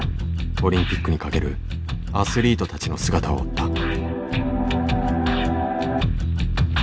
オリンピックにかけるアスリートたちの姿を追った。